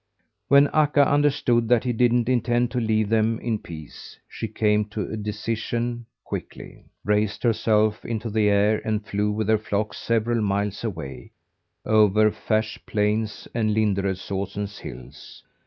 When Akka understood that he didn't intend to leave them in peace, she came to a decision quickly, raised herself into the air and flew with her flock several miles away, over Färs' plains and Linderödsosen's hills.